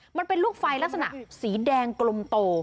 มันเป็นลูกไฟลักษณะสีแดงกลมโต